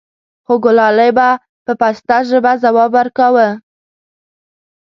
خوګلالۍ به په پسته ژبه ځواب وركا و :